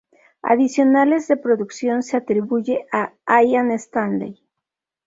Adicionales de producción se atribuye a Ian Stanley.